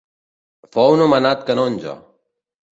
Fou nomenat canonge.